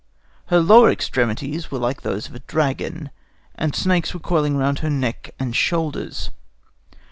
Her lower extremities were like those of a dragon, and snakes were coiling round her neck and shoulders.